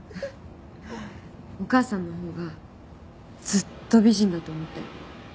お母さんのほうがずっと美人だと思ったよ。